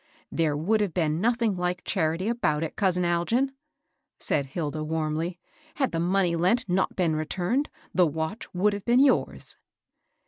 '^ There would have been nothing Yk^ charity about it, cou^ Algin," said Hilda, warmly. ^^ Had the money lent not been returned, the watch would have been yours."